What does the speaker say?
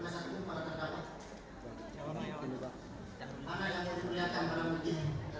silakan tadi bukti bukti kasih mau diperlihatkan dari saksi